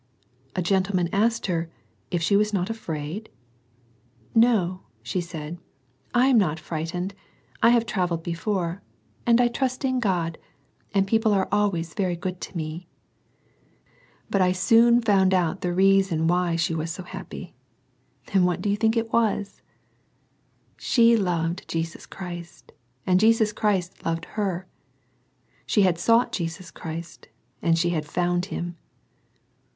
A gentle: asked her, " If she was not afraid ?"" No," said, "I am not frightened; I have travc before, and I trust in God, and people always very good to me." But I soon found out the reason why was so happy ; and what do you think it y She loved Jesus Christ, and Jesus Christ Ic her ; she had sought Jesus Christ, and she found Him?